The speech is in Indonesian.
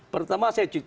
pertama saya tidak curiga